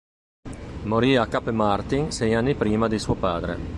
Morì a Cap Martin sei anni prima di suo padre.